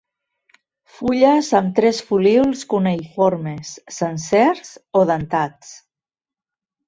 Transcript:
Fulles amb tres folíols cuneïformes, sencers o dentats.